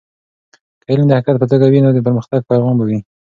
که علم د حقیقت په توګه وي نو د پرمختګ پیغام به وي.